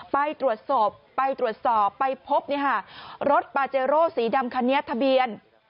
ไปตรวจสอบไปตรวจสอบไปพบรถปาเจโร่สีดำคันนี้ทะเบียน